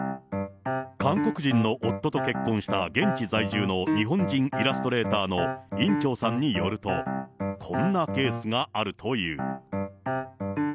韓国人の夫と結婚した現地在住の日本人イラストレーターのいんちょーさんによると、こんなケースがあるという。